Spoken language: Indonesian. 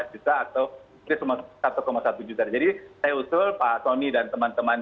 jadi saya usul pak tony dan teman teman